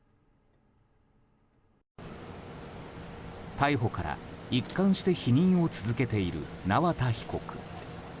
逮捕から一貫して否認を続けている縄田被告。